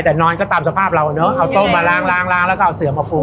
แต่นอนก็ตามสภาพเราเนอะเอาต้มมาล้างล้างแล้วก็เอาเสือมาปู